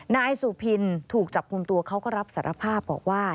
นายสุพินถูกจับกลุ่มตัวเขาก็รับสารภาพบอกว่า